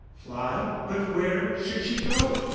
Fly? but where should she go?